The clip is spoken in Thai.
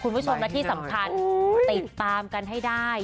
คุณผู้ชมและที่สำคัญติดตามกันให้ได้